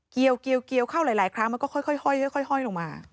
เข้าหลายครั้งมันก็ค่อย้้อยลงมา